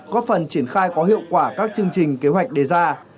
góp phần triển khai có hiệu quả các chương trình kế hoạch đề ra